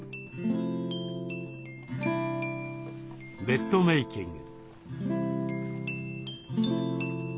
ベッドメーキング。